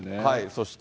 そして。